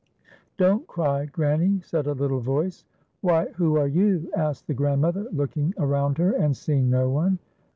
"Don't cr}', Grann> ," said a little voice. "Why, who are you.''" asked the grandmother, look ing around her and seeing no one.